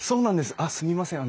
すみません